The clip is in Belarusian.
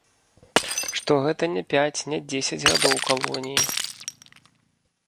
Што гэта не пяць, не дзесяць гадоў калоніі.